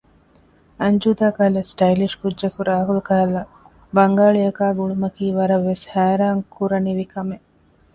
އަންޖޫދާ ކަހަލަ ސްޓައިލިޝް ކުއްޖަކު ރާހުލް ކަހަލަ ބަންގާޅި އަކާ ގުޅުމަކީ ވަރަށް ވެސް ހައިރާންކުރަނިވި ކަމެއް